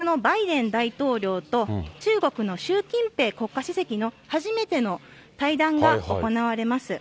きょう夕方からは、アメリカのバイデン大統領と中国の習近平国家主席の初めての会談が行われます。